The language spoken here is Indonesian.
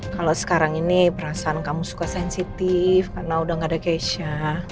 kalo sekarang ini perasaan kamu suka sensitif karena udah gak ada keisha